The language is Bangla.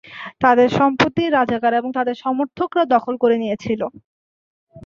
তাদের সম্পত্তি রাজাকার এবং তাদের সমর্থকরা দখল করে নিয়েছিল।